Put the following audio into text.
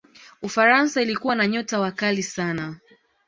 ufaransa ilikuwa na nyota wakali sana